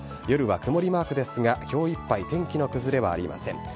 夜は曇りマークですが、きょういっぱい天気の崩れはありません。